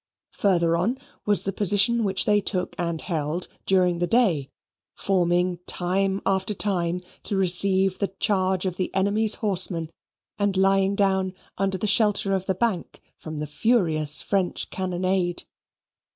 Further on was the position which they took and held during the day, forming time after time to receive the charge of the enemy's horsemen and lying down under the shelter of the bank from the furious French cannonade.